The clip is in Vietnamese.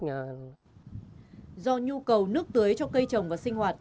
do nhu cầu nước tưới cho cây trồng và sinh hoạt